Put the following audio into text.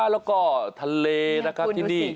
แล้วก็ทะเลนะครับที่นี่